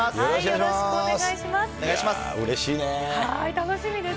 よろしくお願いします。